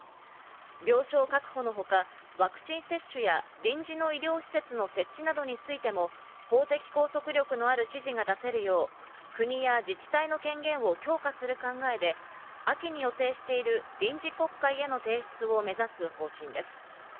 病床確保のほか、ワクチン接種や臨時の医療施設の設置などについても法的拘束力のある指示が出せるよう国や自治体の権限を強化する考えで、秋に予定している臨時国会への提出を目指す方針です。